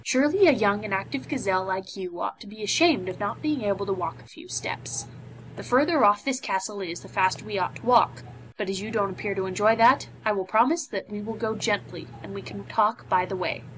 Surely a young and active gazelle like you ought to be ashamed of not being able to walk a few steps. The further off this castle is the faster we ought to walk, but as you don't appear to enjoy that, I will promise that we will go gently, and we can talk by the way.